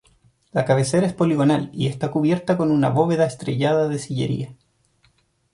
La cabecera es poligonal y está cubierta con una bóveda estrellada de sillería.